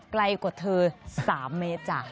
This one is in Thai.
ไกลกว่าเธอ๓เมตรจ้ะ